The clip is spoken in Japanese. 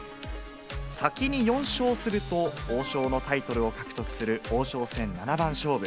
先に４勝すると、王将のタイトルを獲得する王将戦七番勝負。